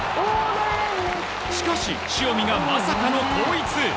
しかし塩見がまさかの後逸。